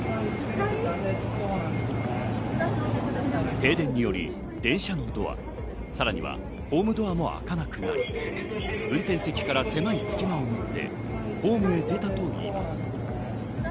停電により電車ドア、さらにはホームドアも開かなくなり、運転席から狭い隙間をぬってホームへ出たといいます。